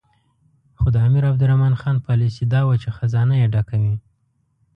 خو د امیر عبدالرحمن خان پالیسي دا وه چې خزانه یې ډکه وي.